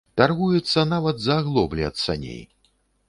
Таргуецца нават за аглоблі ад саней.